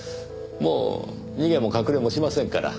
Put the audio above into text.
もう逃げも隠れもしませんから。